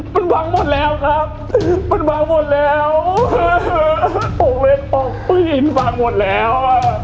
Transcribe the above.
คนเล็กเปรี้ยงฟังหมดแล้ว